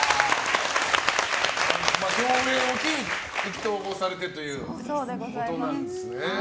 共演を機に意気投合されてということなんですね。